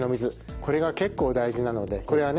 これが結構大事なのでこれはね